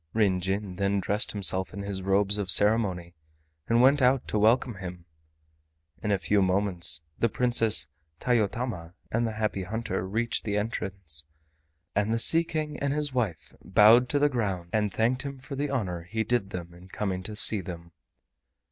Ryn Jin then dressed himself in his robes of ceremony, and went out to welcome him. In a few moments the Princess Tayotama and the Happy Hunter reached the entrance, and the Sea King and his wife bowed to the ground and thanked him for the honor he did them in coming to see them.